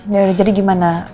ya udah jadi gimana